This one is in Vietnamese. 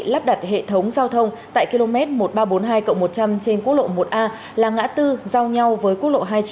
lắp đặt hệ thống giao thông tại km một nghìn ba trăm bốn mươi hai một trăm linh trên quốc lộ một a là ngã tư giao nhau với quốc lộ hai trăm chín